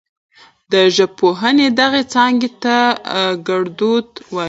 د ژبپوهنې دغې څانګې ته ګړدود وايي.